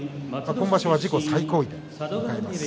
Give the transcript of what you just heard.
今場所は自己最高位を迎えます。